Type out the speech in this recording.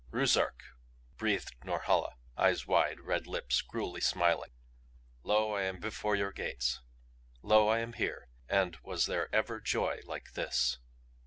"Ruszark!" breathed Norhala, eyes wide, red lips cruelly smiling. "Lo I am before your gates. Lo I am here and was there ever joy like this!"